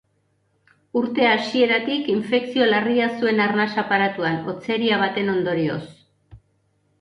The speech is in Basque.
Urte hasieratik, infekzio larria zuen arnas aparatuan, hotzeria baten ondorioz.